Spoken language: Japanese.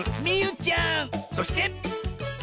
そして！